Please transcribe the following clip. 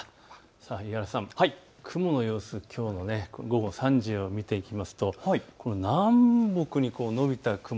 さあ伊原さん、雲の様子、きょうの午後３時を見ていくと南北に延びた雲。